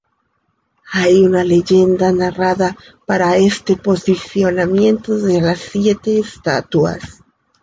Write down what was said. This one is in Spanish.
Hay una leyenda narrada para este posicionamiento de las siete estatuas.